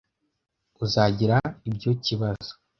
uzagira ibyo kibazo.